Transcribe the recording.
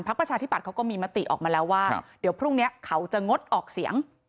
ประชาธิบัตย์เขาก็มีมติออกมาแล้วว่าเดี๋ยวพรุ่งนี้เขาจะงดออกเสียง